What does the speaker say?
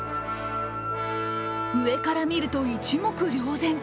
上から見ると一目瞭然。